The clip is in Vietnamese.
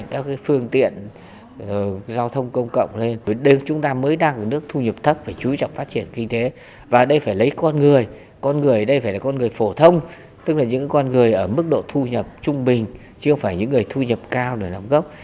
con người đây phải là con người phổ thông tức là những con người ở mức độ thu nhập trung bình chứ không phải những người thu nhập cao để nâng cấp